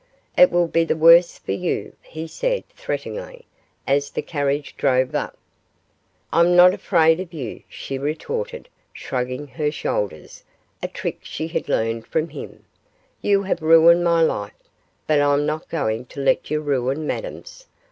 'It will be the worse for you,' he said, threateningly, as the carriage drove up. 'I'm not afraid of you,' she retorted, shrugging her shoulders, a trick she had learned from him; 'you have ruined my life, but I'm not going to let you ruin Madame's.